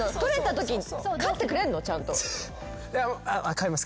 飼います